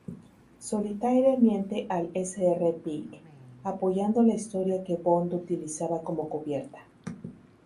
Solitaire miente al Sr. Big, apoyando la historia que Bond utilizaba como cubierta.